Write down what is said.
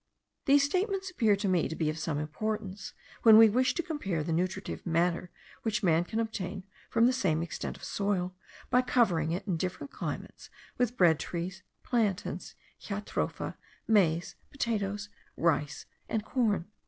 These statements appear to me to be of some importance, when we wish to compare the nutritive matter which man can obtain from the same extent of soil, by covering it, in different climates, with bread trees, plantains, jatropha, maize, potatoes, rice, and corn.